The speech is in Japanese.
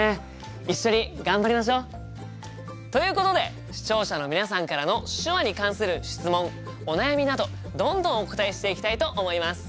一緒に頑張りましょう！ということで視聴者の皆さんからの手話に関する質問お悩みなどどんどんお答えしていきたいと思います。